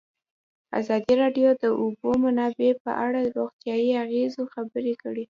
ازادي راډیو د د اوبو منابع په اړه د روغتیایي اغېزو خبره کړې.